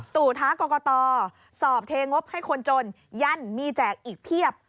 ตู่ท้ากรกตสอบเทงบให้คนจนยั่นมีแจกอีกเพียบ